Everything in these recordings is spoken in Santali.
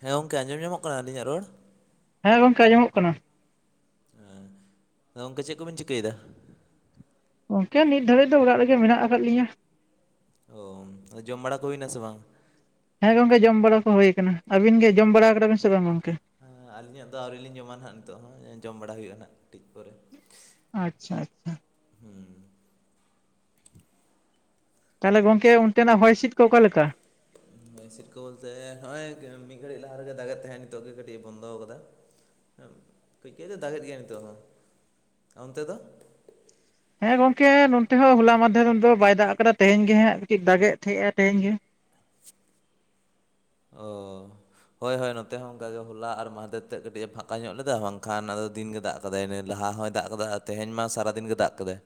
ᱦᱮᱸ ᱜᱚᱝᱠᱮᱸ ᱟᱡᱚᱢ ᱧᱟᱢᱚᱜ ᱠᱟᱱᱟ ᱟᱹᱞᱤᱧᱟᱜ ᱨᱚᱲ? ᱦᱮᱸ ᱜᱚᱝᱢ ᱠᱮᱸ ᱟᱸᱡᱚᱢᱚᱜ ᱠᱟᱱᱟ ᱾ ᱦᱮᱸ ᱟᱫᱚ ᱜᱚᱝᱠᱮ ᱪᱮᱜ ᱠᱚᱵᱮᱱ ᱪᱤᱠᱟᱹᱭᱫᱟ? ᱜᱚᱝᱠᱮ ᱱᱤᱛ ᱫᱷᱟᱹᱵᱤᱡ ᱫᱚ ᱚᱲᱟᱜ ᱨᱮᱜᱮ ᱢᱮᱱᱟᱜ ᱠᱟᱜ ᱞᱤᱧᱟᱹ ᱾ ᱚᱝ ᱡᱚᱢ ᱵᱟᱲᱟ ᱠᱚ ᱦᱩᱭᱱᱟ ᱥᱮ ᱵᱟᱝ? ᱦᱮᱸ ᱜᱚᱝᱠᱮ ᱡᱚᱢ ᱵᱟᱲᱟ ᱠᱚ ᱦᱩᱭ ᱠᱟᱱᱟ, ᱟᱹᱵᱤᱱ ᱜᱮ ᱡᱚᱢ ᱵᱟᱲᱟ ᱠᱟᱫᱟ ᱵᱤᱱ ᱥᱮ ᱵᱟᱝ ᱜᱚᱝᱠᱮ? ᱦᱮᱸ ᱟᱹᱞᱤᱧᱟᱜ ᱫᱚ ᱟᱹᱣᱨᱤ ᱞᱤᱧ ᱡᱚᱢᱟ ᱱᱟᱦᱟᱜ ᱱᱤᱛᱚᱜ ᱦᱚᱸ ᱡᱚᱢ ᱵᱟᱲᱟ ᱦᱩᱭᱩᱜᱼᱟ ᱱᱟᱦᱟᱜ ᱠᱟᱴᱤᱪ ᱯᱚᱨᱮ ᱾ ᱟᱪᱷᱟ ᱟᱪᱷᱟ ᱾ ᱦᱩᱸᱻ᱾ ᱛᱟᱞᱦᱮ ᱜᱚᱝᱠᱮ ᱚᱱᱛᱮ ᱱᱟᱜ ᱦᱚᱭ ᱦᱤᱥᱤᱫ ᱠᱚ ᱚᱠᱟᱞᱮᱠᱟ? ᱦᱤᱥᱤᱫ ᱠᱚ ᱵᱚᱞᱛᱮ ᱦᱚᱜᱼᱚᱭ ᱢᱤᱫ ᱜᱷᱟᱹᱲᱤᱡ ᱞᱟᱦᱟ ᱨᱮᱜᱮ ᱫᱟᱜᱮᱜ ᱛᱟᱦᱮᱸᱜ, ᱱᱤᱛᱚᱜ ᱜᱮ ᱠᱟᱹᱴᱤᱡ ᱵᱚᱱᱫᱚ ᱠᱟᱫᱟ ᱾ ᱠᱟᱹᱡ ᱠᱟᱹᱡ ᱫᱚ ᱫᱟᱜᱮᱜ ᱜᱮᱭᱟ ᱱᱤᱛᱚᱜ ᱦᱚᱸ ᱚᱱᱛᱮ ᱫᱚ? ᱦᱮᱸ ᱜᱚᱝᱠᱮ ᱱᱚᱛᱮ ᱦᱚᱸ ᱦᱚᱞᱟ ᱢᱟᱫᱽᱷᱮᱨ ᱫᱚ ᱵᱟᱭ ᱫᱟᱜ ᱠᱟᱫᱟ, ᱛᱮᱦᱮᱧ ᱜᱮ ᱦᱟᱸᱜ ᱠᱟᱹᱡ ᱫᱟᱜ ᱮᱫ ᱛᱟᱦᱮᱸᱜᱼᱟ, ᱛᱮᱦᱮᱧ ᱜᱮ᱾ ᱚᱸᱻ᱾ ᱦᱳᱭᱻ ᱦᱳᱭᱻ ᱱᱚᱛᱮ ᱦᱚᱸ, ᱚᱱᱠᱟ ᱜᱮ ᱦᱚᱞᱟ ᱟᱨ ᱢᱟᱦᱫᱮᱨ ᱛᱮᱫ ᱠᱟᱹᱴᱤᱡ ᱮ ᱯᱷᱟᱸᱠᱟ ᱧᱚᱜ ᱞᱮᱫᱟ᱾ ᱵᱟᱝ ᱠᱷᱟᱱ ᱟᱫᱚ ᱫᱤᱱ ᱜᱮ ᱫᱟᱜ ᱠᱟᱫᱟᱭ ᱞᱟᱦᱟ ᱦᱚᱸᱭ ᱫᱟᱜ ᱠᱟᱫᱟ, ᱟᱨ ᱛᱮᱦᱮᱧ ᱢᱟ ᱥᱟᱨᱟᱫᱤᱱ ᱜᱮᱭ ᱫᱟᱜ ᱠᱟᱫᱟᱭ᱾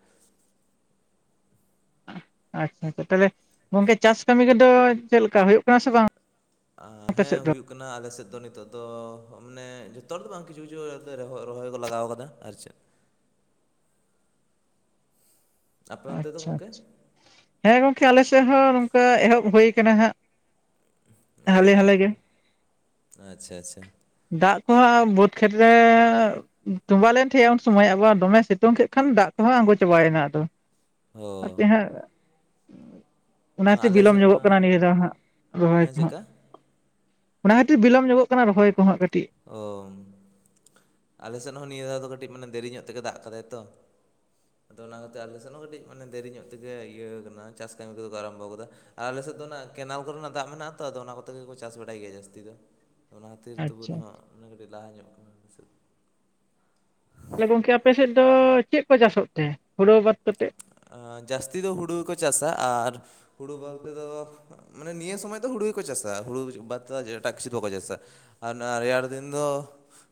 ᱟᱪᱪᱷᱟᱻ ᱟᱪᱪᱷᱟᱻ᱾ ᱛᱚᱵᱮ ᱜᱚᱝᱠᱮ ᱪᱟᱥ ᱠᱟᱹᱢᱤ ᱠᱚᱫᱚ ᱪᱮᱫᱞᱮᱠᱟ ᱦᱳᱭᱳᱜ ᱠᱟᱱᱟ ᱥᱮ ᱵᱟᱝ? ᱟᱯᱮ ᱟᱸᱻᱦᱮᱸ ᱥᱮᱫ ᱫᱚ ᱦᱩᱭᱩᱜ ᱠᱟᱱᱟ, ᱟᱞᱮᱥᱮᱫ ᱫᱚ ᱱᱤᱛᱚᱜ ᱫᱚ ᱢᱟᱱᱮ, ᱡᱚᱛᱚ ᱦᱚᱲ ᱫᱚ ᱵᱟᱝ ᱠᱤᱪᱷᱩ ᱠᱤᱪᱷᱩ ᱠᱟᱛᱮ ᱨᱚᱦᱚᱭ ᱠᱚ ᱞᱟᱜᱟᱣ ᱠᱟᱫᱟ ᱟᱨ ᱪᱮᱜ᱾ ᱟᱯᱮ ᱚᱱᱛᱮ ᱫᱚ ᱟᱪᱪᱷᱟᱻ ᱜᱚᱝᱠᱮ ᱟᱪᱪᱷᱟᱻ᱾ ᱦᱮᱸ ᱜᱚᱝᱠᱮ ᱟᱞᱮ ᱥᱮᱜ ᱦᱚᱸ ᱱᱚᱝᱠᱟ ᱮᱦᱚᱵ ᱦᱩᱭ ᱠᱟᱱᱟ ᱦᱟᱸᱜ᱾ ᱚ ᱦᱟᱞᱮ ᱦᱟᱞᱮ ᱜᱮ᱾ ᱟᱪᱪᱷᱟ ᱟᱪᱪᱷᱟ ᱫᱟᱜ ᱠᱚᱦᱚᱸ ᱵᱟᱹᱫᱽ ᱠᱷᱮᱛ ᱨᱮ ᱛᱚᱸᱵᱟ ᱞᱮᱱ ᱛᱮᱦᱮᱸᱼᱟ ᱩᱱ ᱥᱚᱢᱚᱭ ᱟᱵᱟᱨ ᱫᱚᱢᱮ ᱥᱤᱛᱩᱝ ᱠᱮᱜ ᱠᱷᱟᱱ ᱫᱟᱜ ᱠᱚᱦᱚᱸ ᱟᱬᱜᱚ ᱪᱟᱲᱟᱭ ᱱᱟ ᱟᱫᱚ᱾ ᱟᱯᱮ ᱚ ᱦᱟᱸᱜ ᱢᱟ ᱚᱱᱟᱛᱮ ᱟᱞᱮ ᱵᱤᱞᱚᱢ ᱥᱮᱫ ᱧᱚᱜᱚᱜ ᱢᱟ ᱠᱟᱱᱟ ᱱᱤᱭᱟᱹ ᱫᱷᱟᱣ ᱦᱟᱸᱜ ᱨᱚᱦᱚᱭ ᱦᱮᱸ ᱠᱚ ᱦᱟᱸᱜ ᱪᱮᱫᱠᱟ ᱾ ᱚᱱᱟ ᱠᱷᱟᱹᱛᱤᱨ ᱵᱤᱞᱚᱢ ᱧᱚᱜᱚᱜ ᱠᱟᱱᱟ ᱨᱚᱦᱚᱭ ᱠᱚ ᱦᱟᱸᱜ ᱠᱟᱹᱴᱤᱡ ᱾ ᱳᱸᱻ ᱟᱞᱮ ᱥᱮᱫ ᱦᱚᱸ ᱱᱤᱭᱟᱹ ᱫᱷᱟᱣ ᱫᱚ ᱠᱟᱹᱴᱤᱡ ᱢᱟᱱᱮ ᱫᱮᱨᱤ ᱧᱚᱜ ᱠᱟᱛᱮ ᱫᱟᱜ ᱠᱟᱫᱟᱭ ᱛᱚ᱾ ᱟᱫᱚ ᱚᱱᱟ ᱠᱟᱛᱮ ᱟᱞᱮᱥᱮᱱ ᱦᱚᱸ ᱠᱟᱹᱴᱤᱡ ᱢᱟᱱᱮ ᱫᱮᱨᱤ ᱧᱚᱜ ᱛᱮ ᱜᱮ ᱤᱭᱟᱹ ᱠᱟᱱᱟ, ᱪᱟᱥ ᱠᱟᱹᱢᱤ ᱠᱚᱫᱚ ᱠᱚ ᱟᱨᱟᱢᱵᱚ ᱠᱟᱫᱟ᱾ ᱟᱨ ᱟᱞᱮᱥᱮᱫ ᱫᱚ ᱚᱱᱟ ᱠᱮᱱᱟᱞ ᱠᱚᱨᱮᱱᱟᱜ ᱫᱟᱜ ᱢᱮᱱᱟᱜᱼᱟ ᱛᱚ, ᱟᱫᱚ ᱚᱱᱟ ᱠᱚᱛᱮ ᱜᱮᱠᱚ ᱪᱟᱥ ᱵᱟᱲᱟᱭ ᱜᱮᱭᱟ ᱡᱟᱹᱥᱛᱤ ᱫᱚ᱾ ᱚᱱᱟ ᱠᱷᱟᱹᱛᱤᱨ ᱛᱚᱵᱩ ᱟᱪᱪᱷᱟ ᱨᱮᱦᱚᱸ ᱚᱱᱟ ᱠᱟᱹᱴᱤᱡ ᱞᱟᱦᱟ ᱧᱚᱜ ᱠᱟᱱᱟ᱾ ᱛᱟᱦᱚᱞᱮ ᱜᱚᱝᱠᱮ ᱟᱯᱮᱥᱮᱫ ᱫᱚ, ᱪᱮᱫ ᱠᱚ ᱪᱟᱥᱚᱜ ᱛᱮ, ᱦᱳᱲᱳ ᱵᱟᱫ ᱠᱟᱛᱮᱜ? ᱟᱸᱻ, ᱡᱟᱹᱥᱛᱤ ᱫᱚ ᱦᱩᱲᱩ ᱜᱮᱠᱚ ᱪᱟᱥᱟ ᱟᱨ ᱦᱩᱲᱩ ᱵᱟᱛ ᱫᱚ ᱢᱟᱱᱮ ᱱᱤᱭᱟᱹ ᱥᱚᱢᱚᱭ ᱫᱚ ᱦᱩᱲᱩ ᱜᱮᱠᱚ ᱪᱟᱥᱟ, ᱦᱩᱲᱩ ᱵᱟᱛ ᱠᱟᱛᱮ ᱮᱡᱟᱴᱜ ᱠᱤᱪᱩ ᱵᱟᱠᱚ ᱪᱟᱥᱟ᱾ ᱟᱨ ᱚᱱᱟ ᱨᱮᱭᱟᱲ ᱫᱤᱱ ᱫᱚ,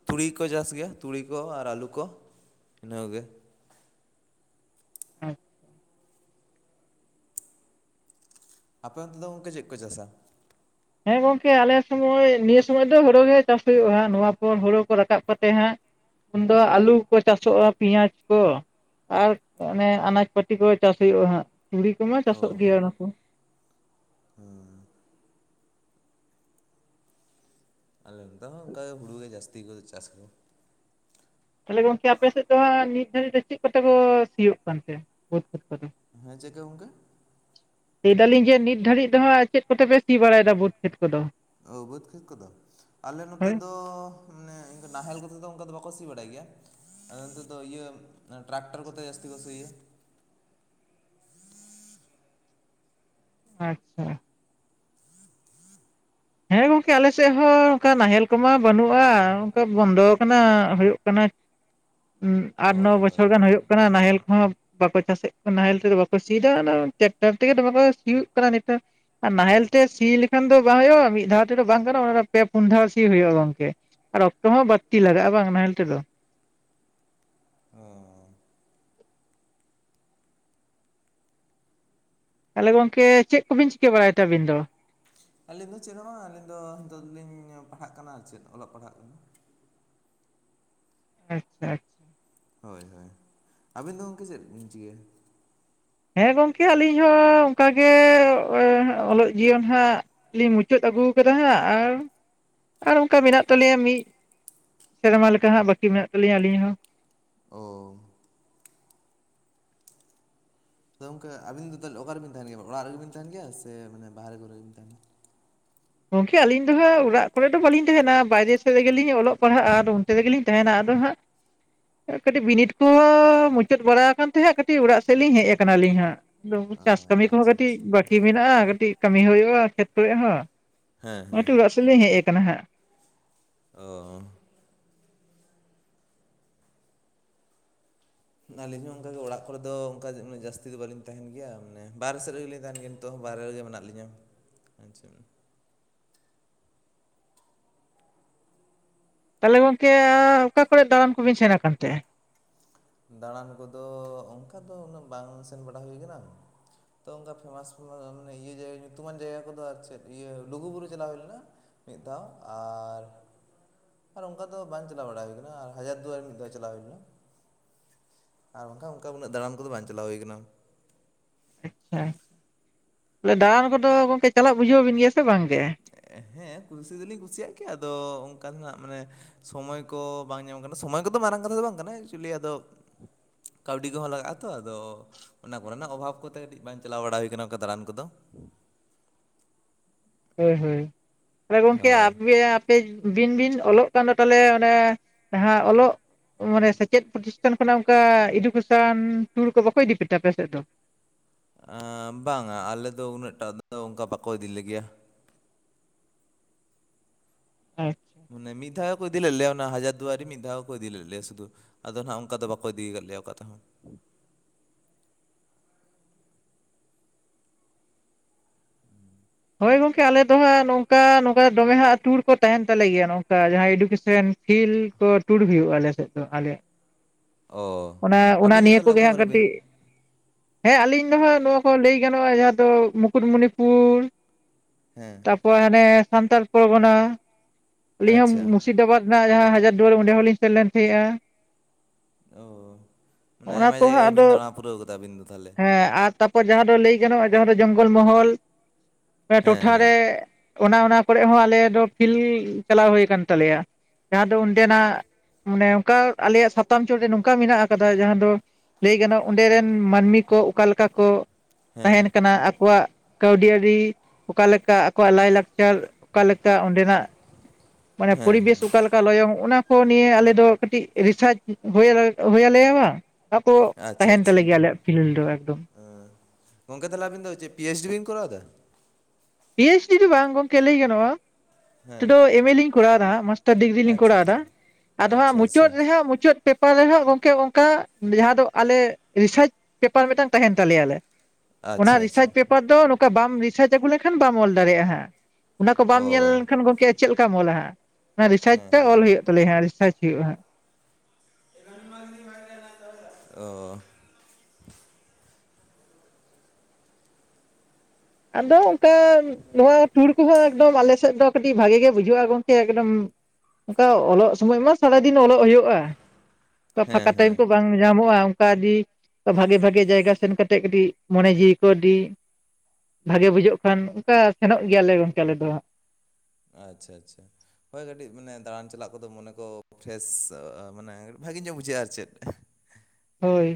ᱛᱩᱲᱤ ᱠᱚ ᱪᱟᱥ ᱜᱮᱭᱟ ᱛᱩᱲᱤ ᱠᱚ ᱟᱨ ᱟᱞᱩ ᱠᱚ᱾ ᱤᱱᱟᱹ ᱠᱚ ᱜᱮ᱾ ᱟᱪ ᱟᱯᱮ ᱚᱱᱛᱮ ᱫᱚ ᱜᱚᱝᱠᱮ ᱪᱮᱫ ᱠᱚ ᱪᱟᱥᱟ? ᱦᱮᱸ ᱜᱚᱝᱠᱮ ᱟᱞᱮ ᱥᱚᱢᱚᱭ ᱱᱤᱭᱟᱹ ᱥᱚᱢᱚᱭ ᱫᱚ ᱦᱳᱲᱳ ᱜᱮ ᱪᱟᱥ ᱦᱳᱭᱳᱜᱼᱟ᱾ ᱱᱚᱣᱟ ᱯᱚᱨ ᱦᱳᱲᱳ ᱠᱚ ᱨᱟᱠᱟᱵᱽ ᱠᱟᱛᱮ ᱦᱟᱸᱜ ᱩᱱᱫᱚ ᱟᱞᱩ ᱠᱚ ᱪᱟᱥᱚᱜᱼᱟ, ᱯᱮᱸᱭᱟᱡ ᱠᱚ᱾ ᱟᱨ ᱚᱱᱮ ᱟᱱᱟᱡᱽ ᱯᱟᱹᱛᱤ ᱠᱚ ᱪᱟᱥ ᱦᱩᱭᱩᱜᱼᱟ, ᱦᱟᱸᱜ ᱛᱩᱲᱤ ᱠᱚᱢᱟ ᱪᱟᱥᱚᱜ ᱜᱮᱭᱟ᱾ ᱠᱚ ᱦᱟᱸᱻ᱾ ᱟᱞᱮ ᱱᱳᱛᱮ ᱦᱚᱸ ᱚᱱᱠᱟ ᱜᱮ ᱦᱩᱲᱩ ᱜᱮ ᱡᱟᱹᱥᱛᱤ ᱠᱚ ᱪᱟᱥ ᱠᱚ᱾ ᱛᱟᱞᱦᱮ ᱜᱚᱝᱠᱮ ᱟᱯᱮ ᱥᱮᱫ ᱫᱚ ᱦᱟᱸᱜ ᱱᱤᱛ ᱫᱷᱟᱹᱵᱤᱡ ᱫᱚ, ᱪᱮᱫ ᱠᱚᱛᱮ ᱠᱚ ᱥᱤᱭᱳᱜ ᱠᱟᱱᱛᱮ ᱵᱟᱹᱫᱽ ᱠᱷᱮᱛ ᱠᱚᱫᱚ? ᱦᱮᱸ ᱪᱮᱫᱠᱟ ᱜᱚᱝᱠᱮ? ᱞᱟᱹᱭ ᱫᱟᱞᱤᱧ ᱡᱮ ᱱᱤᱛ ᱫᱷᱟᱨᱤᱡ ᱫᱚ ᱦᱟᱸᱜ ᱪᱮᱫ ᱠᱚᱛᱮᱯᱮ ᱥᱤ ᱵᱟᱲᱟᱭᱫᱟ ᱵᱟᱹᱫᱽ ᱠᱷᱮᱛ ᱠᱚᱫᱚ? ᱚ ᱵᱟᱹᱫᱽ ᱠᱷᱮᱛ ᱠᱚᱫᱚ? ᱟᱞᱮ ᱱᱚᱛᱮ ᱦᱳᱭ ᱫᱚ ᱢᱟᱱᱮ ᱱᱟᱦᱮᱞ ᱠᱚᱛᱮ ᱫᱚ ᱚᱱᱠᱟ ᱫᱚ ᱵᱟᱠᱚ ᱥᱤ ᱵᱟᱲᱟᱭ ᱜᱮᱭᱟ? ᱟᱫᱚ ᱱᱤᱛᱳᱜ ᱫᱚ ᱤᱭᱟᱹ ᱴᱨᱟᱠᱴᱚᱨ ᱠᱚᱛᱮ ᱡᱟᱹᱥᱛᱤ ᱠᱚ ᱥᱤᱭᱟ ᱾ ᱟᱪᱪᱷᱟ ᱦᱮᱸ ᱜᱚᱝᱠᱮ ᱟᱞᱮᱥᱮᱫ ᱦᱚᱸ ᱚᱱᱠᱟ ᱱᱟᱦᱮᱞ ᱠᱚᱢᱟ ᱵᱟᱹᱱᱩᱜᱼᱟ᱾ ᱚᱱᱠᱟ ᱵᱚᱱᱫᱚ ᱟᱠᱟᱱᱟ ᱦᱩᱭᱩᱜ ᱠᱟᱱᱟ᱾ ᱩᱸ ᱟᱴ, ᱱᱚ ᱦᱳᱭ ᱦᱳᱭ ᱵᱚᱪᱷᱚᱨ ᱜᱟᱱ ᱦᱳᱭ ᱦᱩᱭᱩᱜ ᱠᱟᱱᱟ ᱱᱟᱦᱮᱞ ᱠᱚᱦᱚᱸ ᱵᱟᱠᱚ ᱪᱟᱥᱮᱫ ᱠᱟᱱᱟ ᱱᱟᱦᱮᱞ ᱛᱮᱫᱚ ᱵᱟᱠᱚ ᱥᱤᱭᱫᱟ ᱴᱨᱟᱠᱴᱟᱨ ᱛᱮᱜᱮ ᱵᱟ ᱥᱤᱭᱳᱜ ᱠᱟᱱᱟ ᱱᱮᱛᱟᱨ ᱟᱨ ᱱᱟᱦᱮᱞ ᱛᱮ ᱥᱤ ᱞᱮᱠᱷᱟᱱ ᱫᱚ ᱵᱟᱝ ᱦᱩᱭᱩᱜᱼᱟ᱾ ᱢᱤᱫ ᱫᱷᱟᱣ ᱛᱮ ᱫᱚ ᱵᱟᱝ ᱜᱟᱱᱚᱜ ᱚᱱᱟ ᱯᱮ, ᱯᱩᱱ ᱫᱷᱟᱣ ᱥᱤ ᱦᱩᱭᱩᱜᱼᱟ ᱜᱚᱝᱠᱮ᱾ ᱟᱨ ᱚᱠᱛᱚ ᱦᱚᱸ ᱵᱟᱹᱲᱛᱤ ᱞᱟᱜᱟᱜᱼᱟ ᱵᱟᱝ ᱱᱟᱦᱮᱞ ᱛᱮ ᱫᱚ ᱚ ᱛᱟᱦᱚᱞᱮ ᱜᱚᱝᱢᱠᱮ ᱪᱮᱫ ᱠᱚᱵᱤᱱ ᱪᱤᱠᱟᱹ ᱵᱟᱲᱟᱭᱮᱫ ᱟᱹᱵᱤᱱ ᱫᱚ ᱟᱹᱞᱤᱧ ᱫᱚ ᱪᱮᱫ ᱦᱚᱸ ᱵᱟᱝ ᱟᱹᱞᱤᱧ ᱫᱚ ᱱᱤᱛᱚᱜ ᱞᱤᱧ ᱯᱟᱲᱦᱟᱜ ᱠᱟᱱᱟ ᱪᱮᱫ ᱚᱞᱚᱜ ᱯᱟᱲᱦᱟᱜ ᱟᱪᱪᱷᱟ ᱟᱪᱪᱷᱟ ᱦᱳᱭ ᱦᱳᱭ ᱟᱵᱤᱱ ᱫᱚ ᱜᱚᱢᱠᱮ ᱪᱮᱫ ᱵᱤᱱ ᱪᱤᱠᱟᱹᱭᱟ ᱦᱮᱸ ᱜᱚᱝᱠᱮ ᱟᱹᱞᱤᱧ ᱦᱚᱸ ᱚᱱᱠᱟᱜᱮ ᱚᱞᱚᱜ ᱡᱤᱭᱚᱱ ᱦᱟᱸᱜ ᱞᱤᱧ ᱢᱩᱪᱟᱹᱫ ᱟᱹᱜᱩ ᱟᱠᱟᱫᱟ ᱦᱟᱸᱜ ᱟᱨ, ᱟᱨ ᱚᱱᱠᱟ ᱢᱮᱱᱟᱜ ᱛᱟᱞᱮᱭᱟ ᱢᱤᱫ ᱥᱮᱨᱢᱟ ᱞᱮᱠᱟ ᱦᱟᱜ ᱵᱟᱹᱠᱤ ᱢᱮᱱᱟᱜ ᱛᱟᱹᱞᱤᱧᱟ ᱟᱹᱞᱤᱧ ᱦᱚᱸ ᱚ᱾ ᱛᱚ ᱜᱚᱢᱠᱮ ᱟᱹᱵᱤᱱ ᱫᱚ ᱛᱟᱦᱚᱞᱮ ᱚᱠᱟ ᱨᱮᱵᱤᱱ ᱛᱟᱦᱮᱸᱱ ᱜᱮᱭᱟ, ᱚᱲᱟᱜ ᱨᱮᱜᱮ ᱵᱤᱱ ᱛᱟᱸᱦᱮᱱ ᱜᱮᱭᱟ ᱥᱮ ᱢᱟᱱᱮ ᱵᱟᱦᱨᱮ ᱠᱚᱨᱮ ᱜᱮ ᱵᱤᱱ ᱛᱟᱦᱮᱸᱱᱟ? ᱜᱚᱝᱠᱮ ᱟᱹᱞᱤᱧ ᱫᱚ ᱦᱟᱸᱜ ᱚᱲᱟᱜ ᱠᱚᱨᱮ ᱫᱚ ᱵᱟᱹᱞᱤᱧ ᱛᱟᱦᱮᱸᱱᱟ᱾ ᱵᱟᱭᱨᱮ ᱥᱮᱫ ᱨᱮᱜᱮ ᱞᱤᱧ ᱚᱞᱚᱜ ᱯᱟᱲᱦᱟᱜᱼᱟ ᱟᱫᱚ ᱯᱷᱤᱨᱤ ᱜᱮᱞᱤᱧ ᱛᱟᱦᱮᱸᱱᱟ ᱟᱫᱚ ᱦᱟᱸᱜ ᱠᱟᱹᱴᱤᱡ ᱵᱤᱱᱤᱰ ᱠᱚᱦᱚᱸ ᱢᱩᱪᱟᱹᱫ ᱵᱟᱲᱟᱣ ᱟᱠᱟᱱ ᱛᱟᱦᱮᱸᱜ, ᱠᱟᱹᱴᱤᱡ ᱚᱲᱟᱜ ᱥᱮᱫ ᱞᱤᱧ ᱦᱮᱡ ᱟᱠᱟᱱᱟ ᱟᱹᱞᱤᱧ ᱦᱟᱸᱜ᱾ ᱫᱚ ᱚ ᱪᱟᱥ ᱠᱟᱹᱢᱤ ᱠᱚᱦᱚᱸ ᱟᱪᱪᱷᱟ ᱠᱟᱹᱴᱤᱡ ᱟᱪᱪᱷᱟ ᱵᱟᱠᱤ ᱢᱮᱱᱟᱜᱼᱟ ᱠᱟᱹᱴᱤᱡ ᱠᱟᱹᱢᱤ ᱦᱩᱭᱩᱜᱼᱟ ᱠᱷᱮᱛ ᱠᱚᱨᱮ ᱦᱚᱸ᱾ ᱦᱮᱸ ᱦᱮᱸ ᱠᱟᱹᱴᱤᱡ ᱚᱲᱟᱜ ᱥᱮᱫ ᱞᱤᱧ ᱦᱮᱡ ᱠᱟᱱᱟ ᱦᱟᱸᱜ᱾ ᱚ᱾ ᱟᱹᱞᱤᱧ ᱦᱚᱸ ᱚᱱᱠᱟ ᱜᱮ ᱚᱲᱟᱜ ᱠᱚᱨᱮ ᱫᱚ ᱚᱱᱠᱟ ᱩᱱᱟᱹᱜ ᱡᱟᱹᱥᱛᱤ ᱫᱚ ᱵᱟᱹᱞᱤᱧ ᱛᱟᱦᱮᱱ ᱜᱮᱭᱟ᱾ ᱢᱟᱱᱮ ᱵᱟᱨᱦᱮ ᱥᱮᱫ ᱨᱮᱜᱮᱞᱤᱧ ᱛᱟᱦᱮᱱ ᱜᱮᱭᱟ᱾ ᱛᱚᱜ ᱦᱚᱸ ᱵᱟᱭᱨᱮ ᱨᱮᱜᱮ ᱢᱮᱱᱟᱜ ᱞᱤᱧᱟᱹ, ᱟᱪᱪᱷᱟ᱾ ᱛᱟᱦᱚᱞᱮ ᱜᱚᱝᱠᱮ ᱚᱠᱟ ᱠᱚᱨᱮ ᱫᱟᱬᱟᱱ ᱠᱚᱵᱤᱱ ᱥᱮᱱ ᱟᱠᱟᱱ ᱛᱮ? ᱫᱟᱬᱟᱱ ᱠᱚ ᱫᱚ ᱚᱱᱠᱟ ᱫᱚ ᱩᱱᱟᱹᱜ ᱵᱟᱝ ᱥᱮᱱ ᱵᱟᱲᱟ ᱦᱩᱭ ᱟᱠᱟᱱᱟ ᱛᱚ ᱚᱱᱠᱟ ᱯᱷᱮᱢᱟᱥ ᱤᱭᱟᱹ ᱡᱟᱭᱜᱟ ᱧᱩᱛᱩᱢᱟᱱ ᱡᱟᱭᱜᱟ ᱠᱚᱫᱚ ᱟᱨ ᱪᱮᱫ ᱤᱭᱟᱹ ᱞᱩᱜᱩ ᱵᱩᱨᱩ ᱪᱟᱞᱟᱣ ᱦᱩᱭ ᱞᱮᱱᱟ᱾ ᱢᱤᱫ ᱫᱷᱟᱣ ᱟᱨ ᱟᱨ ᱚᱝᱠᱟ ᱫᱚ ᱵᱟᱝ ᱪᱟᱞᱟᱣ ᱵᱟᱲᱟ ᱦᱩᱭ ᱠᱟᱱᱟ ᱟᱨ ᱦᱟᱡᱟᱨ ᱫᱩᱣᱟᱹᱨᱤ ᱢᱤᱫ ᱫᱷᱟᱣ ᱪᱟᱞᱟᱣ ᱦᱩᱭ ᱞᱮᱱᱟ᱾ ᱟᱨ ᱵᱟᱝᱠᱷᱟ ᱚᱝᱠᱟ ᱩᱱᱟᱹᱜ ᱫᱟᱲᱟᱱ ᱠᱚᱫᱚ ᱵᱟᱝ ᱪᱟᱞᱟᱣ ᱦᱩᱭ ᱠᱟᱱᱟ᱾ ᱟᱪᱪᱷᱟ ᱵᱚᱞᱮ ᱫᱟᱬᱟᱱ ᱠᱚᱫᱚ ᱜᱚᱝᱠᱮ ᱪᱟᱞᱟᱜ ᱵᱩᱡᱷᱟᱹᱣ ᱵᱤᱱ ᱜᱮᱭᱟ ᱥᱮ ᱵᱟᱝᱜᱮ? ᱦᱮᱸ ᱠᱩᱥᱤ ᱫᱩᱞᱤᱧ ᱠᱩᱥᱤᱭᱟᱜ ᱜᱮᱭᱟ ᱟᱫᱚ ᱚᱱᱠᱟ ᱫᱚ ᱱᱟᱜ ᱢᱟᱱᱮ ᱥᱚᱢᱚᱭ ᱠᱚ ᱵᱟᱝ ᱧᱟᱢᱚᱜ ᱠᱟᱱᱟ ᱥᱚᱢᱚᱭ ᱠᱚᱫᱚ ᱢᱟᱨᱟᱝ ᱠᱟᱛᱷᱟ ᱫᱚ ᱵᱟᱝ ᱠᱟᱱᱟ ᱮᱠᱪᱩᱞᱤ ᱟᱫᱚ ᱠᱟᱹᱣᱰᱤ ᱠᱚᱦᱚᱸ ᱞᱟᱜᱟᱜᱼᱟ ᱛᱚ ᱟᱫᱚ ᱚᱱᱟ ᱠᱚᱨᱮᱱᱟᱜ ᱚᱵᱷᱟᱵ ᱠᱚᱛᱮ ᱠᱟᱹᱴᱤᱡ ᱵᱟᱝ ᱪᱟᱞᱟᱣ ᱵᱟᱲᱟ ᱦᱩᱭ ᱠᱟᱱᱟ ᱚᱱᱠᱟ ᱫᱟᱬᱟᱱ ᱠᱚᱫᱚ᱾ ᱦᱳᱭ ᱦᱳᱭ, ᱛᱟᱦᱚᱞᱮ ᱜᱚᱝᱠᱮ ᱦᱳᱭ ᱟᱯᱮᱭᱟᱫ ᱠᱟᱹᱡ ᱵᱤᱱ ᱵᱤᱱ ᱚᱞᱚᱜ ᱠᱟᱱ ᱫᱚ ᱛᱟᱞᱦᱮ ᱚᱱᱮ ᱡᱟᱦᱟᱸ ᱚᱞᱚᱜ ᱢᱟᱱᱮ ᱥᱮᱪᱮᱫ ᱯᱨᱚᱛᱤᱥᱴᱷᱟᱱ ᱠᱷᱚᱱᱟᱜ ᱚᱱᱠᱟ ᱮᱰᱩᱠᱮᱥᱚᱱ ᱴᱩᱨ ᱠᱚ ᱵᱟᱠᱚ ᱤᱫᱤ ᱯᱮᱛᱮ ᱟᱯᱮ ᱥᱮᱫ ᱫᱚ? ᱵᱟᱝᱟ ᱟᱞᱮ ᱫᱚ ᱩᱱᱟᱹᱜ ᱴᱟ ᱫᱚ ᱚᱝᱠᱟ ᱵᱟᱠᱚ ᱤᱫᱤ ᱞᱮᱜᱮᱭᱟ᱾ ᱟᱪᱪᱷᱟ᱾ ᱢᱟᱱᱮ ᱢᱤᱫ ᱫᱷᱟᱣ ᱦᱚᱠᱚ ᱤᱫᱤ ᱞᱮᱫ ᱞᱮᱭᱟ ᱚᱱᱟ ᱦᱟᱡᱟᱨ ᱫᱩᱣᱟᱨᱤ ᱢᱤᱫᱷᱟᱣ ᱠᱚ ᱤᱫᱤ ᱞᱮᱫ ᱞᱮᱭᱟ ᱥᱩᱫᱷᱩ᱾ ᱟᱫᱚ ᱦᱟᱸᱜ ᱚᱱᱠᱟ ᱫᱚ ᱵᱟᱠᱚ ᱤᱫᱤᱭ ᱠᱟᱫ ᱞᱮᱭᱟ ᱚᱠᱟ ᱛᱮᱦᱚᱸ᱾ ᱦᱳᱭ ᱜᱚᱝᱠᱮ ᱟᱞᱮ ᱫᱚ ᱦᱟᱸᱜ ᱱᱚᱝᱠᱟ ᱱᱚᱝᱠᱟ ᱫᱚᱢᱮ ᱦᱟᱸᱜ ᱴᱩᱨ ᱠᱚ ᱛᱟᱸᱦᱮᱱ ᱛᱟᱞᱮ ᱜᱮᱭᱟ ᱱᱚᱝᱠᱟ ᱡᱟᱦᱟᱸᱭ ᱮᱰᱩᱠᱮᱥᱚᱱ ᱯᱷᱤᱞ ᱠᱚ ᱴᱩᱨ ᱦᱩᱭᱩᱜᱼᱟ ᱟᱞᱮ ᱥᱮᱫ ᱫᱚ ᱟᱞᱮ ᱚ ᱚᱱᱟ, ᱚᱱᱟ ᱟᱹᱵᱤᱱ ᱫᱚ ᱱᱤᱭᱟᱹ ᱛᱟᱦᱚᱞᱮ ᱠᱚᱜᱮ ᱚᱠᱟ ᱦᱟᱸᱜ ᱠᱚᱨᱮ ᱵᱤᱱ ᱠᱟᱹᱴᱤᱡ ᱦᱮᱸ ᱟᱹᱞᱤᱧ ᱫᱚ ᱦᱟᱸᱜ ᱱᱚᱣᱟ ᱠᱚ ᱞᱟᱹᱭ ᱜᱟᱱᱚᱜᱼᱟ ᱡᱟᱦᱟᱸ ᱫᱚ ᱢᱩᱠᱩᱴᱢᱩᱱᱤᱯᱩᱨ ᱦᱮᱸ᱾ ᱠᱚᱭ ᱦᱟᱱᱮ ᱥᱟᱱᱛᱟᱞ ᱯᱚᱨᱜᱚᱱᱟ ᱟᱹᱞᱤᱧ ᱦᱚᱸ ᱟᱪᱪᱷᱟ ᱢᱩᱨᱥᱤᱫᱟᱵᱟᱫ ᱨᱮᱱᱟᱜ ᱡᱟᱦᱟᱸ ᱦᱟᱡᱟᱨ ᱫᱩᱣᱟᱹᱨ ᱚᱸᱰᱮ ᱦᱚᱸᱞᱤᱧ ᱥᱮᱱ ᱞᱮᱱ ᱛᱟᱦᱮᱸᱫᱼᱟ᱾ ᱚ, ᱢᱟᱱᱮ ᱚᱱᱟ ᱟᱭᱢᱟ ᱠᱚᱦᱚᱸ ᱡᱟᱭᱜᱟ ᱜᱮ ᱟᱫᱚ ᱵᱤᱱ ᱫᱟᱬᱟ ᱯᱩᱨᱟᱹᱣ ᱠᱟᱫᱟ ᱟᱹᱵᱤᱱ ᱫᱚ ᱛᱟᱦᱚᱞᱮ᱾ ᱦᱮᱸ ᱟᱨ ᱛᱟᱯᱚᱨ ᱡᱟᱦᱟᱸ ᱫᱚ ᱞᱟᱹᱭ ᱜᱟᱱᱚᱜᱼᱟ ᱡᱟᱦᱟᱸ ᱫᱚ ᱡᱚᱝᱜᱚᱞ ᱢᱚᱦᱚᱞ ᱦᱮᱸ ᱴᱚᱴᱷᱟ ᱦᱮᱸ ᱨᱮ ᱚᱱᱟ ᱚᱱᱟ ᱠᱚᱨᱮ ᱦᱚᱸ ᱟᱞᱮ ᱫᱚ ᱯᱷᱤᱞᱦᱤ ᱪᱟᱞᱟᱣ ᱦᱩᱭ ᱠᱟᱱ ᱛᱟᱞᱮᱭᱟ᱾ ᱡᱟᱦᱟᱸ ᱫᱚ ᱚᱸᱰᱮᱱᱟᱜ ᱢᱟᱱᱮ ᱱᱚᱝᱠᱟ ᱟᱞᱮᱭᱟᱜ ᱥᱟᱛᱟᱢ ᱪᱚᱰ ᱨᱮ ᱱᱚᱝᱠᱟ ᱢᱮᱱᱟᱜ ᱟᱠᱟᱫᱟ ᱡᱟᱦᱟᱸ ᱫᱚ ᱞᱟᱹᱭ ᱜᱟᱱᱚᱜ ᱚᱸᱰᱮ ᱨᱮᱱ ᱢᱟᱹᱱᱢᱤ ᱠᱚ ᱚᱠᱟ ᱞᱮᱠᱟ ᱠᱚ ᱦᱮᱸ ᱛᱟᱦᱮᱱ ᱠᱟᱱᱟ ᱟᱠᱚᱣᱟᱜ ᱠᱟᱹᱣᱰᱤ ᱟᱹᱨᱤ ᱚᱠᱟᱞᱮᱠᱟ ᱟᱠᱚᱣᱟᱜ ᱞᱟᱭᱼᱞᱟᱠᱪᱟᱨ ᱚᱠᱟᱞᱮᱠᱟ ᱚᱸᱰᱮᱱᱟᱜ᱾ ᱢᱟᱱᱮ ᱯᱚᱨᱤᱵᱮᱥ ᱩᱠᱟᱞ ᱚᱠᱟ ᱞᱚᱭᱚᱝ ᱚᱱᱟ ᱠᱚ ᱱᱤᱭᱮ ᱟᱞᱮ ᱫᱚ ᱠᱟᱹᱴᱤᱡ ᱨᱤᱥᱟᱨᱪ ᱦᱩᱭᱟᱹᱹ ᱦᱩᱭ ᱟᱞᱮᱭᱟ ᱵᱟᱝ᱾ ᱚᱱᱟ ᱠᱚ ᱟᱪᱪᱷᱟ ᱛᱟᱦᱮᱱ ᱟᱪᱪᱷᱟ᱾ ᱛᱟᱞᱮ ᱜᱮᱭᱟ ᱟᱞᱮᱭᱟᱜ ᱯᱷᱤᱞᱰ ᱫᱚ ᱮᱠᱫᱚᱢ ᱦᱮᱸ, ᱜᱚᱝᱠᱮ ᱛᱟᱦᱚᱞᱮ ᱟᱵᱤᱱ ᱫᱚ ᱪᱮᱫ ᱯᱤᱮᱭᱤᱪᱰᱤ ᱵᱤᱱ ᱠᱚᱨᱟᱣ ᱫᱟ? ᱯᱤᱮᱭᱤᱪᱰᱤ ᱫᱚ ᱵᱟᱝ ᱜᱚᱝᱠᱮ ᱞᱟᱹᱭ ᱜᱟᱱᱚᱜᱼᱟ ᱦᱮᱸ ᱛᱚᱫᱚ ᱮᱢᱮ ᱞᱤᱧ ᱠᱚᱨᱟᱣᱫᱟ ᱢᱟᱥᱴᱟᱨ ᱰᱤᱜᱽᱨᱤ ᱞᱤᱧ ᱟᱪᱪᱷᱟ ᱠᱚᱨᱟᱣ ᱫᱟ᱾ ᱟᱪᱪᱷᱟ ᱟᱫᱚ ᱦᱟᱸᱜ ᱟᱪᱪᱷᱟ ᱟᱪᱪᱷᱟ ᱢᱩᱪᱟᱹᱫ ᱨᱮᱦᱟᱸᱜ ᱢᱩᱪᱟᱹᱫ ᱯᱮᱯ ᱯᱟᱨ ᱨᱮᱦᱟᱸᱜ ᱜᱚᱝᱠᱮ ᱚᱝᱠᱟ ᱡᱟᱦᱟᱸ ᱫᱚ ᱟᱞᱮ ᱨᱤᱥᱟᱨᱪ ᱯᱮᱯᱟᱨ ᱢᱤᱫᱴᱟᱝ ᱛᱟᱦᱮᱸᱱ ᱛᱟᱞᱮᱭᱟ ᱟᱞᱮ᱾ ᱚᱱᱟ ᱟᱪᱪᱷᱟ ᱟᱪᱪᱷᱟ ᱨᱤᱥᱟᱨᱪ ᱯᱮᱯᱟᱨ ᱫᱚ ᱱᱚᱠᱟ ᱵᱟᱢ ᱨᱤᱥᱟᱨᱪ ᱟᱹᱜᱩ ᱞᱮᱠᱷᱟᱱ ᱵᱟᱢ ᱚᱞ ᱫᱟᱲᱮᱭᱟᱜᱼᱟ ᱦᱟᱸᱜ᱾ ᱚᱱᱟ ᱠᱚ ᱵᱟᱢ ᱚ ᱧᱮᱞ ᱞᱮᱠᱷᱟᱱ ᱜᱚᱢᱠᱮ ᱪᱮᱫ ᱞᱮᱠᱟᱢ ᱚᱞᱟ ᱦᱟᱸᱜ ᱚᱱᱟ ᱨᱤᱥᱟᱨᱪ ᱛᱮ ᱚᱞ ᱦᱩᱭᱩᱜ᱾ [unintelligible] ᱦᱟᱸᱜ ᱨᱤᱥᱟᱨᱪ ᱦᱩᱭᱩᱜᱼᱟ ᱾ [unintelligible] ᱚᱹᱹᱹ ᱟᱫᱚ ᱚᱱᱠᱟ ᱱᱚᱣᱟ ᱴᱩᱨ ᱠᱚᱦᱚᱸ ᱮᱠᱫᱚᱢ ᱟᱞᱮᱥᱮᱫ ᱫᱚ ᱠᱟᱹᱴᱤᱡ ᱵᱷᱟᱜᱤ ᱜᱮ ᱵᱩᱡᱷᱟᱹᱜᱼᱟ ᱜᱚᱝᱠᱮ ᱮᱠᱫᱚᱢ ᱚᱱᱠᱟ ᱚᱞᱚᱜ ᱥᱚᱢᱚᱭ ᱢᱟ ᱥᱟᱨᱟᱫᱤᱱ ᱚᱞᱚᱜ ᱦᱩᱭᱩᱜᱼᱟ ᱚᱱᱠᱟ ᱦᱮᱸ ᱯᱷᱟᱸᱠᱟ ᱴᱟᱭᱤᱢ ᱦᱮᱸ ᱠᱚ ᱵᱟᱝ ᱧᱟᱢᱚᱜᱼᱟ ᱚᱱᱠᱟ ᱟᱹᱰᱤ ᱵᱷᱟᱜᱮ ᱵᱷᱟᱜᱮ ᱡᱟᱭᱜᱟ ᱥᱮᱱ ᱠᱟᱛᱮᱜ ᱠᱟᱹᱴᱤᱡ ᱢᱚᱱᱮ ᱡᱤᱣᱤ ᱠᱚ ᱟᱹᱰᱤ ᱵᱷᱟᱜᱮ ᱵᱩᱡᱷᱟᱹᱜ ᱠᱷᱟᱱ ᱚᱱᱠᱟ ᱥᱮᱱᱚᱜ ᱜᱮᱭᱟᱞᱮ ᱜᱚᱝᱠᱮ ᱟᱞᱮ ᱫᱚ ᱟᱪᱪᱷᱟ ᱟᱪᱪᱷᱟ ᱦᱳᱭ ᱠᱟᱹᱴᱤᱡ ᱢᱟᱱᱮ ᱫᱟᱬᱟᱱ ᱪᱟᱞᱟᱜ ᱠᱚᱫᱚ ᱢᱚᱱᱮ ᱠᱚ ᱯᱷᱨᱮᱥ ᱢᱟᱱᱮ ᱵᱷᱟᱜᱮ ᱧᱚᱜ ᱵᱩᱡᱷᱟᱹᱜᱼᱟ ᱟᱨ ᱪᱮᱫ [inaudible] ᱦᱳᱭ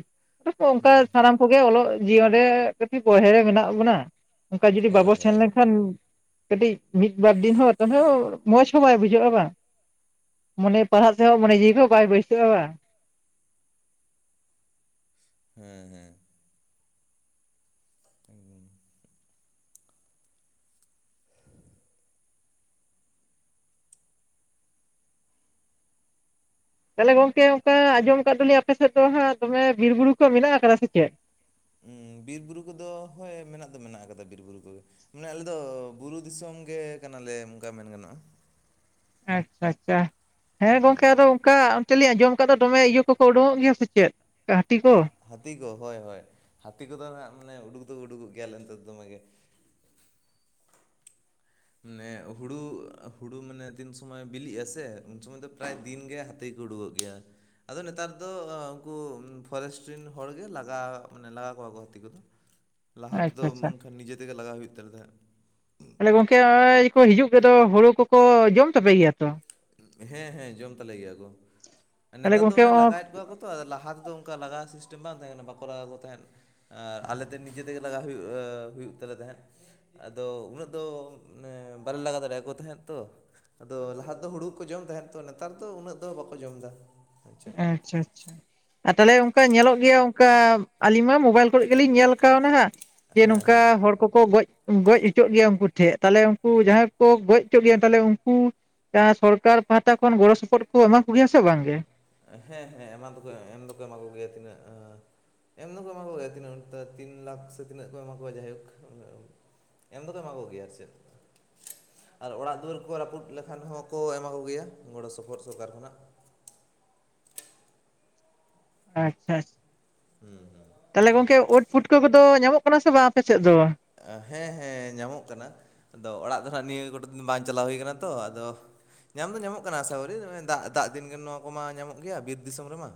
ᱛᱟᱯᱚᱨ ᱚᱱᱠᱟ ᱦᱩᱸ ᱥᱟᱱᱟᱢ ᱠᱚᱜᱮ ᱚᱞᱚᱜ ᱡᱤᱭᱚᱱ ᱨᱮ ᱠᱟᱹᱴᱤᱡ ᱵᱚᱨᱦᱮ ᱨᱮ ᱢᱮᱱᱟᱜ ᱵᱚᱱᱟ ᱚᱱᱠᱟ ᱡᱩᱫᱤ ᱵᱟᱵᱚ ᱦᱳᱭ ᱥᱮᱱ ᱦᱳᱭ ᱞᱮᱱᱠᱷᱟᱱ ᱠᱟᱹᱴᱤᱡ ᱢᱤᱫᱵᱟᱨ ᱫᱤᱱ ᱦᱚᱸ ᱢᱚᱡᱽ ᱦᱚᱸ ᱵᱟᱭ ᱵᱩᱡᱷᱟᱹᱜᱼᱟ ᱵᱟ ᱢᱚᱱᱮ ᱯᱟᱲᱦᱟᱜ ᱥᱮᱜᱦᱚᱸ ᱢᱚᱱᱮ ᱡᱤᱣᱤ ᱠᱚ ᱵᱟᱭ ᱵᱟᱹᱭᱥᱠᱟᱹᱜᱼᱟ ᱵᱟ ᱦᱮᱸ ᱦᱮᱸ [unintelligible] ᱛᱟᱦᱚᱞᱮ ᱜᱚᱝᱠᱮ ᱚᱱᱠᱟ ᱟᱸᱡᱚᱢ ᱟᱠᱟᱫ ᱫᱚᱞᱤᱧ ᱟᱯᱮ ᱥᱮᱫ ᱫᱚ ᱦᱟᱸᱜ ᱫᱚᱢᱮ ᱵᱤᱨ ᱵᱩᱨᱩ ᱠᱚ ᱢᱮᱱᱟᱜ ᱠᱟᱫᱟ ᱥᱮ ᱪᱮᱫ ᱩ ᱵᱤᱨᱵᱩᱨᱩ ᱠᱚᱫᱚ ᱦᱳᱭ ᱢᱮᱱᱟᱜ ᱫᱚ ᱢᱮᱱᱟᱜ ᱠᱟᱫᱟ ᱵᱤᱨ ᱵᱩᱨᱩ ᱠᱚᱜᱮ ᱢᱟᱱᱮ ᱟᱞᱮ ᱫᱚ ᱵᱩᱨᱩ ᱫᱤᱥᱚᱢ ᱜᱮ ᱠᱟᱱᱟᱞᱮ ᱚᱱᱠᱟ ᱢᱮᱱ ᱜᱟᱱᱚᱜᱼᱟ ᱟᱪᱪᱷᱟ ᱟᱪᱪᱷᱟ ᱦᱮᱸ ᱜᱚᱝᱠᱮ ᱟᱫᱚ ᱚᱱᱠᱟ ᱛᱤᱞᱤᱧ ᱟᱸᱡᱚᱢ ᱟᱠᱟᱫᱟ ᱫᱚᱢᱮ ᱤᱭᱟᱹ ᱠᱚᱠᱚ ᱩᱰᱩᱝᱠᱚᱜ ᱜᱮᱭᱟ ᱥᱮ ᱪᱮᱫ ᱦᱟᱛᱤ ᱠᱚ ᱦᱟ ᱦᱟᱹᱛᱤ ᱠᱚ ᱦᱳᱭ ᱦᱳᱭ ᱦᱟᱹᱛᱤ ᱠᱚᱫᱚ ᱱᱟᱦᱟᱜ ᱢᱟᱱᱮ ᱩᱰᱩᱠ ᱫᱚ ᱩᱰᱩᱠᱚᱜ ᱜᱮᱭᱟᱞᱮ ᱮᱱᱛᱮ ᱫᱚᱢᱮᱜᱮ ᱢᱟᱱᱮ ᱦᱩᱲᱩ, ᱦᱩᱲᱩ ᱢᱟᱱᱮ ᱛᱤᱱ ᱥᱩᱢᱟᱹᱭ ᱵᱤᱞᱤᱜ ᱟᱥᱮ ᱩᱱ ᱥᱩᱚᱢᱟᱹᱭ ᱫᱚ ᱯᱨᱟᱭ ᱫᱤᱱ ᱜᱮ -ᱛᱤ ᱠᱚ ᱩᱰᱩᱠᱚᱜ ᱜᱮᱭᱟ ᱟᱫᱚ ᱱᱮᱛᱟᱨ ᱫᱚ ᱩᱱᱠᱩ ᱯᱷᱚᱨᱮᱥᱴᱚ ᱨᱮᱱ ᱦᱚᱲ ᱜᱮ ᱞᱟᱜᱟ ᱢᱟᱱᱮ ᱞᱟᱜᱟ ᱠᱚᱣᱟ ᱠᱚ ᱦᱟᱹᱛᱤ ᱠᱚᱫᱚ [inaudible] ᱞᱟᱦᱟ ᱛᱮᱫᱚ ᱟᱪᱪᱷᱟ ᱵᱟᱝᱠᱷᱟᱱ ᱱᱤᱡᱮ ᱛᱮᱜᱮ ᱞᱟᱜᱟ ᱦᱩᱭᱩᱜ ᱛᱟᱞᱮ ᱛᱟᱦᱮᱸᱫ ᱛᱟᱦᱚᱞᱮ ᱜᱚᱝᱠᱮ [unintelligible] ᱠᱚ ᱦᱤᱡᱩᱜ ᱜᱮᱫᱚ ᱦᱩᱲᱩ ᱠᱚᱠᱚ ᱡᱚᱢ ᱛᱟᱯᱮ ᱜᱮᱭᱟ ᱛᱚ ᱦᱮᱸ ᱦᱮᱸ ᱡᱚᱢ ᱛᱟᱞᱮ ᱜᱮᱭᱟ ᱠᱚ ᱛᱟᱦᱚᱞᱮ ᱱᱮᱛᱟᱨ ᱫᱚ ᱜᱚᱝᱠᱮ ᱚᱱᱮ ᱱᱚᱜ ᱞᱟᱜᱟᱭᱮᱫ ᱠᱚᱣᱟ ᱠᱚ- ᱛᱚ ᱞᱟᱦᱟ ᱛᱮᱫᱚ ᱚᱱᱠᱟ ᱞᱟᱜᱟᱣ ᱥᱤᱥᱴᱮᱢ ᱵᱟᱝ ᱛᱟᱦᱮᱸ ᱠᱟᱱᱟ ᱵᱟᱠᱚ ᱞᱟᱜᱟ ᱠᱚ ᱛᱟᱦᱮᱸᱫ ᱟᱨ ᱟᱞᱮᱛᱮ ᱱᱤᱡᱮ ᱛᱮᱜᱮ ᱞᱟᱜᱟ ᱦᱩᱭᱩᱜ ᱦᱩᱭᱩᱜ ᱛᱟᱞᱮ ᱛᱟᱦᱮᱸᱫ ᱟᱫᱚ ᱩᱱᱟᱹᱜ ᱫᱚ ᱮᱸᱻ ᱵᱟᱞᱮ ᱞᱟᱜᱟ ᱫᱟᱲᱮᱭᱟᱠᱚ ᱛᱟᱦᱮᱸᱫ ᱛᱚ ᱛᱚ ᱞᱟᱦᱟ ᱫᱚ ᱦᱩᱲᱩ ᱠᱚ ᱡᱚᱢ ᱛᱟᱦᱮ ᱛᱚ ᱱᱮᱛᱟᱨ ᱫᱚ ᱩᱱᱟᱹᱜ ᱫᱚ ᱵᱟᱠᱚ ᱡᱚᱢ ᱫᱟ ᱟᱪᱪᱷᱟ ᱟᱪᱪᱷᱟ ᱟᱨ ᱛᱟᱦᱚᱞᱮ ᱚᱱᱠᱟ ᱧᱮᱞᱚᱜ ᱜᱮᱭᱟ ᱚᱱᱠᱟ ᱟᱹᱞᱤᱧ ᱢᱟ ᱢᱳᱵᱟᱭᱤᱞ ᱠᱚᱨᱮ ᱜᱮᱞᱤᱧ ᱧᱮᱞ ᱠᱟᱣᱱᱟ ᱦᱟᱸᱜ ᱡᱮ ᱦᱮᱸ ᱱᱚᱝᱠᱟ ᱦᱚᱲ ᱠᱚᱠᱚ ᱜᱚᱡ ᱜᱚᱡ ᱦᱚᱪᱚᱜ ᱜᱮᱭᱟ ᱩᱱᱠᱩ ᱴᱷᱮᱱ ᱛᱟᱦᱞᱮ ᱩᱱᱠᱩ ᱡᱟᱦᱟᱸᱭ ᱠᱚ ᱜᱚᱡ ᱦᱚᱪᱚᱜ ᱜᱮᱭᱟ ᱛᱟᱦᱞᱮ ᱩᱱᱠᱩ ᱠᱟ ᱥᱚᱨᱠᱟᱨ ᱯᱟᱦᱟᱴᱟ ᱠᱷᱚᱱ ᱜᱚᱲᱚ ᱥᱚᱯᱚᱦᱚᱫ ᱠᱚ ᱮᱢᱟ ᱠᱚᱜᱮᱭᱟ ᱥᱮ ᱵᱟᱝᱜᱮ ᱦᱮᱸ ᱦᱮᱸ ᱮᱢ ᱫᱚ ᱮᱢ ᱫᱚᱠᱚ ᱮᱢᱟ ᱠᱚᱜᱮᱭᱟ ᱛᱤᱱᱟᱹᱜ ᱮᱢ ᱫᱚᱠᱚ ᱮᱢᱟ ᱠᱚ ᱜᱮᱭᱟ ᱛᱤᱱᱟᱹᱜ ᱛᱤᱱ ᱞᱟᱠᱷ ᱥᱮ ᱛᱤᱱᱟᱹᱜ ᱠᱚ ᱮᱢᱟ ᱠᱚᱣᱟ ᱡᱟᱭᱦᱳᱠ᱾ ᱮᱢ ᱫᱚ ᱮᱢᱟ ᱠᱚ ᱜᱮᱭᱟ ᱟᱨ ᱪᱮᱫ ᱟᱨ ᱚᱲᱟᱜ ᱫᱩᱣᱟᱹᱨ ᱠᱚ ᱨᱟᱹᱯᱩᱫ ᱞᱮᱠᱷᱟᱱ ᱦᱚᱸ ᱠᱚ ᱮᱢᱟᱭ ᱜᱮᱭᱟᱹ ᱜᱚᱲᱚ ᱥᱚᱯᱚᱦᱚᱫᱽ ᱥᱚᱨᱠᱟᱨ ᱠᱷᱳᱱᱟᱜ ᱟᱪᱪᱷᱟ ᱦᱮᱸ ᱦᱩᱸ ᱛᱟᱦᱚᱞᱮ ᱜᱚᱝᱠᱮ ᱩᱴ ᱯᱩᱰᱠᱟᱹ ᱠᱚᱫᱚ ᱧᱟᱢᱚᱜ ᱠᱟᱱᱟ ᱥᱮ ᱵᱟᱝ ᱟᱯᱮ ᱥᱮᱫ ᱫᱚ ᱦᱮᱸ ᱦᱮᱸ ᱧᱟᱢᱚᱜ ᱠᱟᱱᱟ ᱟᱫᱚ ᱚᱲᱟᱜ ᱫᱚ ᱦᱟᱸᱜ ᱱᱤᱭᱟᱹ ᱠᱚᱴᱟ ᱫᱤᱱ ᱵᱟᱝ ᱪᱟᱞᱟᱣ ᱦᱩᱭ ᱠᱟᱱᱟ ᱛᱚ ᱟᱫᱚ ᱧᱟᱢ ᱫᱚ ᱧᱟᱢᱚᱜ ᱠᱟᱱᱟ ᱥᱟᱣᱨᱤ ᱫᱟᱜ ᱫᱟᱜ ᱫᱤᱱᱜᱮ ᱱᱚᱣᱟ ᱠᱚᱢᱟ ᱧᱟᱢᱚᱜ ᱜᱮᱭᱟ ᱵᱤᱨ ᱫᱤᱥᱚᱢ ᱨᱮᱢᱟ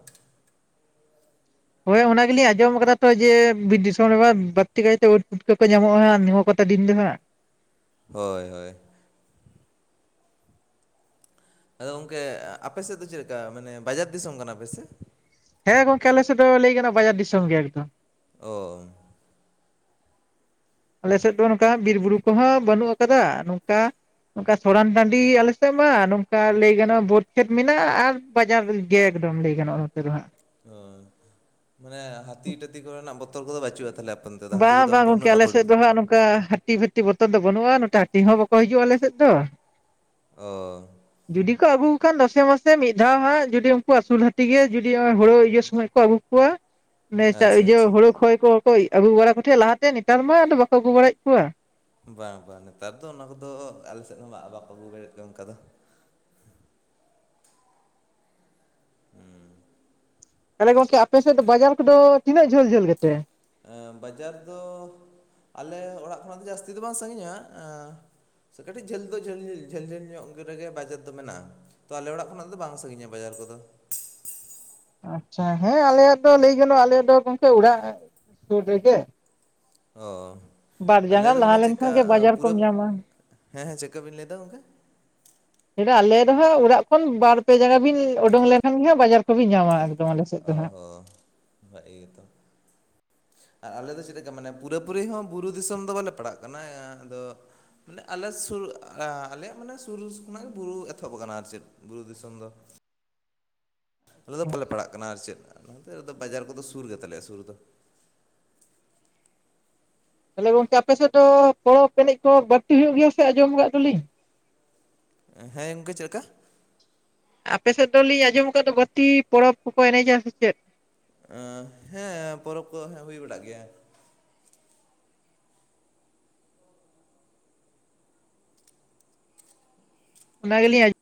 ᱦᱳᱭ ᱚᱱᱟ ᱜᱮᱞᱤᱧ ᱟᱸᱡᱚᱢ ᱟᱠᱟᱫᱟ ᱛᱚ ᱡᱮ ᱵᱤᱨ ᱫᱤᱥᱚᱢ ᱨᱮᱢᱟ ᱵᱟᱹᱲᱛᱤ ᱠᱟᱭᱛᱮ ᱩᱫ ᱯᱩᱴᱠᱟᱹ ᱠᱚ ᱧᱟᱢᱚᱜᱼᱟ ᱦᱟᱜ ᱱᱤᱦ ᱠᱚᱴᱟ ᱫᱤᱱ ᱫᱚᱦᱟᱸᱜ ᱦᱳᱭ ᱦᱳᱭ ᱟᱫᱚ ᱜᱚᱝᱠᱮ ᱟᱯᱮ ᱥᱮᱫ ᱫᱚ ᱪᱮᱫ ᱞᱮᱠᱟ ᱢᱟᱱᱮ ᱵᱟᱡᱟᱨ ᱫᱤᱥᱚᱢ ᱠᱟᱱᱟ ᱯᱮᱥᱮ ᱦᱮᱸ ᱜᱚᱝᱠᱮ ᱟᱞᱮ ᱥᱮᱫ ᱫᱚ ᱞᱟᱹᱭ ᱠᱟᱱᱟ ᱵᱟᱡᱟᱨ ᱫᱤᱥᱚᱢ ᱜᱮ ᱮᱠᱫᱚᱢ ᱚ ᱟᱞᱮ ᱥᱮᱫ ᱫᱚ ᱱᱚᱝᱠᱟ ᱵᱤᱨᱼᱵᱩᱨᱩ ᱠᱚᱦᱚᱸ ᱵᱟᱹᱱᱩᱜ ᱟᱠᱟᱫᱟ ᱱᱚᱝᱠᱟ ᱱᱚᱝᱠᱟ ᱥᱚᱨᱟᱱ ᱴᱟᱺᱰᱤ ᱜᱮ ᱟᱞᱮᱥᱮᱫ ᱢᱟ ᱱᱚᱝᱠᱟ ᱞᱟᱹᱭ ᱜᱟᱱᱚᱜᱼᱟ ᱵᱟᱹᱫᱽ ᱠᱷᱮᱛ ᱢᱮᱱᱟᱜᱼᱟ ᱟᱨ ᱵᱟᱡᱟᱨ ᱨᱮᱜᱮ ᱮᱠᱫᱚᱢ ᱞᱟᱹᱭ ᱜᱟᱱᱚᱜᱼᱟ ᱱᱚᱛᱮ ᱫᱚ ᱦᱟᱸᱜ ᱚ ᱢᱟᱱᱮ ᱦᱟᱹᱛᱤ ᱴᱟᱹᱛᱤ ᱠᱚᱨᱮᱱᱟᱜ ᱵᱚᱛᱚᱨ ᱠᱚᱫᱚ ᱵᱟᱹᱪᱩᱜᱼᱟ ᱛᱟᱦᱚᱞᱮ ᱚᱱᱛᱮ ᱫᱚ ᱦᱟᱹᱛᱤ ᱵᱟᱝ ᱠᱚᱫᱚ ᱵᱟᱝ ᱚᱱᱠᱟ ᱜᱚᱝᱠᱮ ᱩᱱᱟᱹᱜ ᱵᱟᱠᱚ ᱟᱞᱮᱥᱮᱫ ᱩᱰᱩᱠᱚᱜ ᱫᱚ ᱜᱮᱭᱟ ᱦᱟᱸᱜ ᱱᱚᱝᱠᱟ ᱦᱟᱹᱛᱤ ᱵᱩᱛ ᱦᱟᱹᱛᱤ ᱵᱚᱛᱚᱨ ᱫᱚ ᱵᱟᱹᱱᱩᱜᱼᱟ ᱱᱚᱛᱮ ᱦᱟᱹᱛᱤ ᱦᱚᱸ ᱵᱟᱹᱠᱩ ᱦᱤᱡᱩᱜᱼᱟ ᱟᱞᱮ ᱥᱮᱫ ᱫᱚ ᱚ ᱡᱩᱫᱤ ᱠᱚ ᱟᱹᱜᱩ ᱠᱩᱠᱷᱟᱱ ᱫᱚᱥᱮ ᱢᱟᱥᱮ ᱢᱤᱫ ᱫᱷᱟᱣ ᱦᱟᱸᱜ ᱡᱩᱫᱤ ᱩᱝᱠᱩ ᱟᱹᱥᱩᱞ ᱦᱟᱹᱛᱤ ᱜᱮ ᱡᱩᱫᱤ ᱦᱚᱸ ᱦᱩᱲᱩ ᱤᱭᱟᱹ ᱥᱚᱢᱚᱭ ᱠᱚ ᱟᱹᱜᱩ [inaudible] [inaudible] ᱟᱪᱪᱷᱟ ᱤᱭᱟᱹ ᱟᱪᱪᱷᱟ ᱦᱳᱲᱩ ᱠᱷᱚᱭ ᱠᱚ ᱟᱹᱜᱩ ᱵᱟᱲᱟ ᱠᱚᱴᱷᱮᱱ ᱞᱟᱦᱟᱛᱮ ᱱᱮᱛᱟᱨ ᱢᱟ ᱟᱫᱚ ᱵᱟᱠᱚ ᱟᱹᱜᱩ ᱵᱟᱲᱟᱭᱮᱫ ᱠᱚᱣᱟ ᱵᱟᱝ ᱵᱟᱝ ᱱᱮᱛᱟᱨ ᱫᱚ ᱚᱱᱟ ᱠᱩᱫᱩ ᱟᱞᱮ ᱥᱮᱫ ᱫᱚ ᱵᱟᱠᱚ ᱟᱹᱜᱩ ᱵᱟᱲᱟᱭᱮᱜ ᱠᱚᱣᱟ ᱚᱱᱠᱟ ᱫᱚ ᱛᱟᱦᱟᱞᱮ ᱜᱚᱝᱠᱮ ᱟᱯᱮ ᱥᱮᱫ ᱫᱚ ᱵᱟᱡᱟᱨ ᱠᱩᱫᱚ ᱛᱤᱱᱟᱹᱜ ᱡᱷᱟᱹᱞ ᱡᱷᱟᱹᱞ ᱜᱮᱛᱮ? ᱟᱹ ᱵᱟᱡᱟᱨ ᱫᱚ ᱟᱞᱮ ᱚᱲᱟᱜ ᱠᱷᱚᱱᱟᱜ ᱫᱚ ᱡᱟᱹᱥᱛᱤ ᱫᱚ ᱵᱟᱝ ᱥᱟᱺᱜᱤᱧᱟ ᱟᱸ ᱥᱮ ᱠᱟᱹᱴᱤᱡ ᱡᱷᱟᱹᱞ ᱫᱚ ᱡᱷᱟᱹᱞ ᱡᱷᱟᱹᱞ ᱡᱷᱟᱹᱞ ᱧᱚᱜ ᱨᱮᱜᱮ ᱵᱟᱡᱟᱨ ᱫᱚ ᱢᱮᱱᱟᱜᱼᱟ᱾ ᱛᱟᱦᱚᱞᱮ ᱚᱲᱟᱜ ᱠᱷᱚᱱᱟᱜ ᱫᱚ ᱵᱟᱝ ᱥᱟᱺᱜᱤᱧᱟ ᱵᱟᱡᱟᱨ ᱠᱩᱫᱚ ᱟᱪᱷᱟ ᱦᱮᱸ ᱟᱞᱮᱭᱟᱜ ᱫᱚ ᱞᱟᱹᱭ ᱜᱟᱱᱚᱜ ᱟᱞᱮᱭᱟᱜ ᱫᱚ ᱜᱚᱝᱠᱮ ᱚᱲᱟᱜ ᱥᱩᱨ ᱨᱮᱜᱮ ᱚᱻ ᱵᱟᱨ ᱟᱞᱮ ᱡᱟᱸᱜᱟ ᱫᱚ ᱞᱟᱦᱟ ᱢᱟᱱᱮ ᱪᱮᱫᱠᱟ ᱞᱮᱱᱠᱷᱟᱱ ᱜᱮ ᱟ ᱵᱟᱡᱟᱨ ᱯᱩᱨᱟᱹ ᱠᱚᱢ ᱧᱟᱢᱟ ᱦᱮᱸ ᱦᱮᱸ ᱪᱮᱫᱠᱟ ᱵᱮᱱ ᱞᱟᱹᱭ ᱫᱟ ᱜᱚᱝᱠᱮ ᱪᱮᱫ ᱟᱞᱮ ᱫᱚᱦᱟᱸᱜ ᱚᱲᱟᱜ ᱠᱷᱚᱱ ᱵᱟᱨ ᱯᱮ ᱡᱟᱸᱜᱟ ᱵᱤᱱ ᱩᱰᱩᱝ ᱞᱮᱱᱠᱷᱟᱱ ᱜᱮ ᱦᱟᱸᱜ ᱵᱟᱡᱟᱨ ᱠᱚᱵᱤᱱ ᱧᱟᱢᱟ ᱟᱨ ᱚ ᱦᱚᱸ ᱵᱷᱟᱜᱮ ᱜᱮᱛᱚ ᱟᱨ ᱟᱞᱮ ᱫᱚ ᱪᱮᱫ ᱞᱮᱠᱟ ᱢᱟᱱᱮ ᱯᱩᱨᱟᱹᱯᱩᱨᱤ ᱦᱚᱸ ᱵᱩᱨᱩ ᱫᱤᱥᱚᱢ ᱫᱚ ᱵᱟᱞᱮ ᱯᱟᱲᱟᱜ ᱠᱟᱱᱟ ᱟᱸ ᱟᱫᱚ ᱢᱟᱱᱮ ᱟᱞᱮ ᱥᱩᱨ ᱟ ᱟᱞᱮᱭᱟᱜ ᱢᱟᱱᱮ ᱥᱩᱨ ᱠᱷᱚᱱᱟᱜ ᱜᱮ ᱵᱩᱨᱩ ᱮᱛᱚᱦᱚᱵ ᱟᱠᱟᱱᱟ ᱟᱨ ᱪᱮᱫ ᱵᱩᱨᱩ ᱫᱤᱥᱚᱢ ᱫᱚ ᱟᱞᱮ ᱫᱚ ᱵᱟᱞᱮ ᱯᱟᱲᱟᱜ ᱠᱟᱱᱟ ᱟᱨ ᱪᱮᱫ ᱱᱚᱛᱮ ᱨᱮᱫᱚ ᱵᱟᱡᱟᱨ ᱠᱩᱫᱚ ᱥᱩᱨ ᱜᱮᱛᱟᱞᱮᱭᱟ ᱥᱩᱨ ᱫᱚ ᱛᱟᱦᱚᱞᱮ ᱜᱚᱝᱠᱮ ᱟᱯᱮ ᱥᱮᱫ ᱫᱚ ᱯᱚᱨᱚᱵᱽ ᱮᱱᱮᱡ ᱠᱚ ᱵᱟᱹᱲᱛᱤ ᱦᱩᱭᱩᱜ ᱜᱮᱭᱟ ᱥᱮ ᱟᱸᱡᱚᱢ ᱟᱠᱟᱫ ᱫᱚᱞᱤᱧ ᱦᱮᱸ ᱜᱚᱝᱠᱮ ᱪᱮᱜ ᱠᱟ? ᱟᱯᱮᱥᱮᱫ ᱫᱚᱞᱤᱧ ᱟᱸᱡᱚᱢ ᱟᱠᱟᱫ ᱫᱚ ᱵᱟᱹᱛᱤ ᱯᱚᱨᱚᱵᱽ ᱠᱚᱠᱚ ᱮᱱᱮᱡᱟ ᱥᱮ ᱪᱮᱫ? ᱟᱺ ᱦᱮᱸ ᱯᱚᱨᱚᱵᱽ ᱠᱚ ᱦᱮᱸ ᱦᱩᱭ ᱵᱟᱲᱟᱜ ᱜᱮᱭᱟ ᱚᱱᱟ ᱜᱮᱞᱤᱧ ᱟᱡ